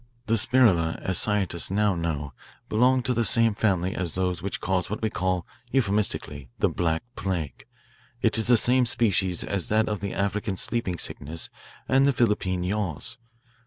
"The spirilla, as scientists now know, belong to the same family as those which cause what we call, euphemistically, the 'black plague.' It is the same species as that of the African sleeping sickness and the Philippine yaws.